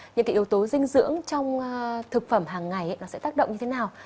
những yếu tố dinh dưỡng trong thực phẩm hàng ngày sẽ tác động như thế nào